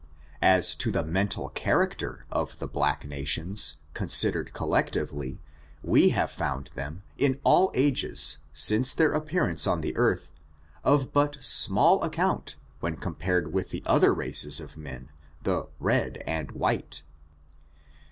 As to the mental character of the black nations, consid ered collectively, we have found them, in all ages, since their appearance on the earth, of but small account when compared with the other races of men, the red and ichttt.